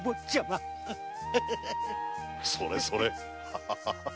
それそれ。